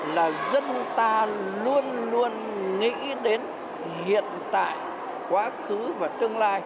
là dân ta luôn luôn nghĩ đến hiện tại quá khứ và tương lai